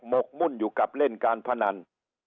กมุ่นอยู่กับเล่นการพนัน